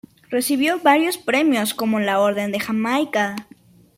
Recibió varios premios como la Orden de Jamaica.